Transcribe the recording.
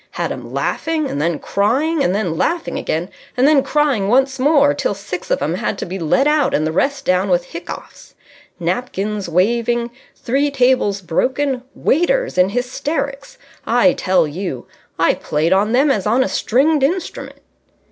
Had 'em laughing and then crying and then laughing again and then crying once more till six of 'em had to be led out and the rest down with hiccoughs. Napkins waving ... three tables broken ... waiters in hysterics. I tell you, I played on them as on a stringed instrument...."